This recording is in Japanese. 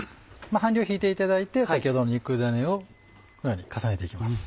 半量敷いていただいて先ほどの肉だねをこのように重ねていきます。